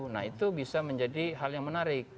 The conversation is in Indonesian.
nah itu bisa menjadi hal yang menarik